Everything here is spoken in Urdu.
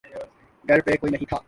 گھر پے کوئی نہیں تھا۔